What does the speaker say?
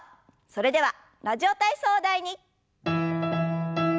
それでは「ラジオ体操第２」。